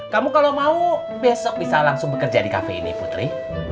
kamu kalau mau besok bisa langsung bekerja di kafe ini putri